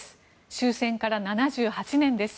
終戦から７８年です。